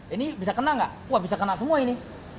ini bisa kena nggak wah bisa kena semua ini